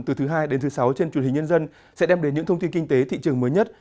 từ thứ hai đến thứ sáu trên truyền hình nhân dân sẽ đem đến những thông tin kinh tế thị trường mới nhất